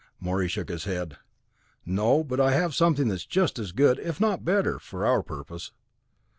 Morey shook his head. "No, but I have something that's just as good, if not better, for our purpose.